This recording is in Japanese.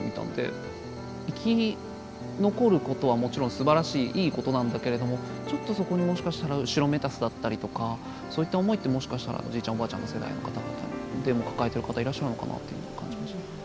生き残ることはもちろんすばらしいいいことなんだけれどもちょっとそこにもしかしたら後ろめたさだったりとかそういった思いってもしかしたらおじいちゃんおばあちゃんの世代の方々でも抱えてる方いらっしゃるのかなっていうのを感じました。